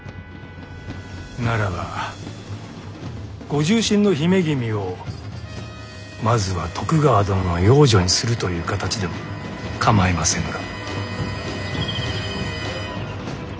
ならばご重臣の姫君をまずは徳川殿の養女にするという形でも構いませぬが。